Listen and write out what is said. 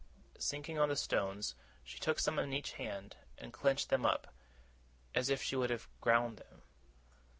Sinking on the stones, she took some in each hand, and clenched them up, as if she would have ground them.